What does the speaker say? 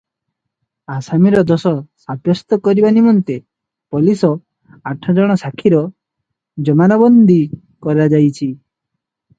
ଆସାମୀର ଦୋଷ ସାବ୍ୟସ୍ତ କରାଇବା ନିମନ୍ତେ ପୋଲିସ ଆଠଜଣ ସାକ୍ଷୀର ଜମାନବନ୍ଦୀ କରାଯାଇଛି ।